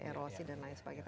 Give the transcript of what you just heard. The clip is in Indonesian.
erosi dan lain sebagainya